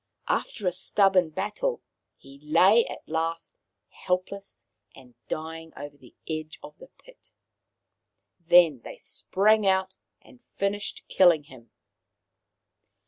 After a stubborn battle, he lay at last helpless and dying over the edge of the pit. Then they sprang out and finished kill ing him.